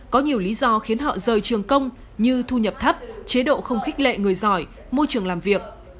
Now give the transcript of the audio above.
có nhiều lý do khiến họ rời trường công như thu nhập thấp chế độ không khích lệ người giỏi môi trường làm việc